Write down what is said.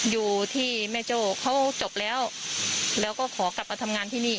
อยู่ที่แม่โจ้เขาจบแล้วแล้วก็ขอกลับมาทำงานที่นี่